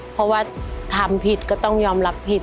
เพราะว่าทำผิดก็ต้องยอมรับผิด